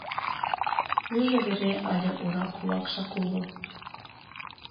Южо вере але ора кулакшак уло.